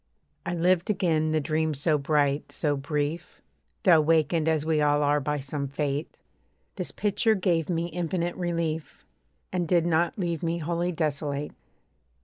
I lived again the dream so bright, so brief, Though wakened as we all are by some Fate; This picture gave me infinite relief, And did not leave me wholly desolate.